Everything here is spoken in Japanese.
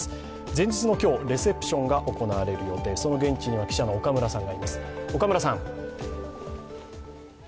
前日の今日、レセプションが行われる予定、その現地には記者の岡村さんがいます。